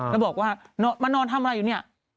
แล้วบอกว่ามานอนทำอะไรอยู่เนี่ย